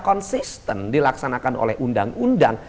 konsisten dilaksanakan oleh undang undang